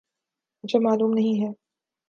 مجھے معلوم نہیں ہے۔